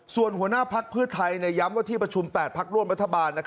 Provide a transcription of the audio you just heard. ส่วนหัวหน้าพักเพื่อไทยย้ำว่าที่ประชุม๘พักร่วมรัฐบาล